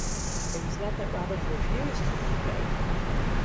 It was not that Robens refused to pay.